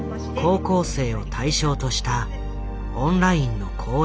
高校生を対象としたオンラインの講演会。